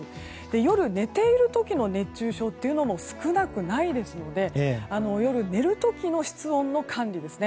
夜、寝ている時の熱中症というのも少なくないですので夜、寝る時の室温の管理ですね。